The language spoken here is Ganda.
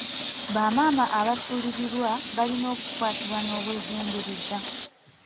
Bamaama abasulirirwa balina okukwatibwa n'obwegendereza.